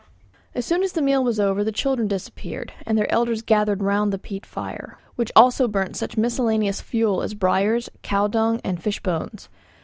As soon as the meal was over the children disappeared, and their elders gathered round the peat fire, which also burnt such miscellaneous fuel as briars, cow dung, and fishbones.